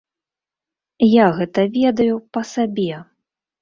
Я гэта ведаю па сабе.